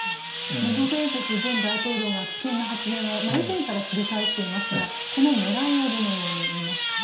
メドベージェフ前大統領が危険な発言を以前から繰り返していますがこの狙いをどのように見ますか。